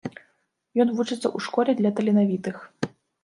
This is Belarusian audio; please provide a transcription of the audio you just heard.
Ён вучыцца ў школе для таленавітых.